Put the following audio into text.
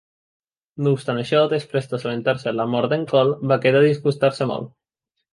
No obstant això, després d'assabentar-se de la mort d'en Kole, va quedar disgustar-se molt.